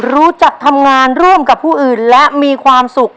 รู้จักทำงานร่วมกับผู้อื่นและมีความสุข